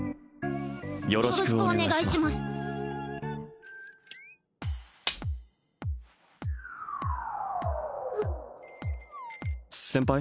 よろしくお願いします先輩？